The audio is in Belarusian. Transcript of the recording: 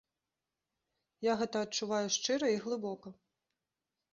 Я гэта адчуваю шчыра і глыбока.